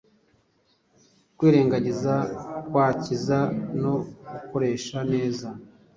Kwirengagiza kwakiza no gukoresha neza